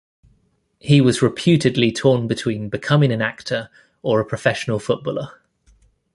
He was reputedly torn between becoming an actor or a professional footballer.